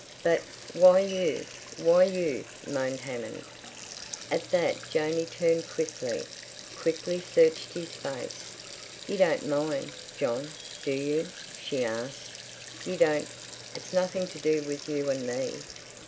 "But—why you, why you?" moaned Hammond. At that Janey turned quickly, quickly searched his face. "You don't mind, John, do you?" she asked. "You don't—It's nothing to do with you and me."